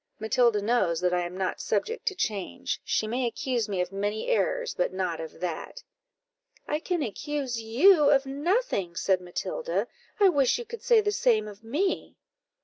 "Matilda knows that I am not subject to change; she may accuse me of many errors, but not of that." "I can accuse you of nothing," said Matilda; "I wish you could say the same of me."